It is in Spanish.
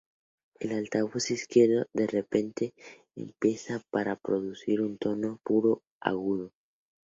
El altavoz izquierdo de repente empieza para producir un tono puro agudo.